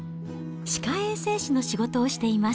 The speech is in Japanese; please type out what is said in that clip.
歯科衛生士の仕事をしています。